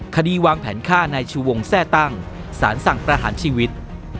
คดีวางแผนฆ่านายชูวงแทร่ตั้งสารสั่งประหารชีวิต